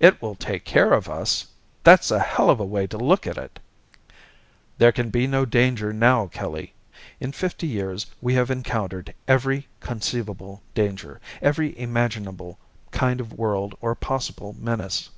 "It will take care of us! That's a helluva way to look at it!" "There can be no danger now, Kelly. In fifty years we have encountered every conceivable danger, every imaginable kind of world or possible menace."